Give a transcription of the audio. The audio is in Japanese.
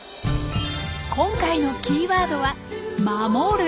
今回のキーワードは「守る」。